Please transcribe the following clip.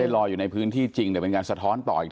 มันไม่ได้รอยอยู่ในพื้นที่จริงแต่เป็นการสะท้อนต่ออีกทีหนึ่ง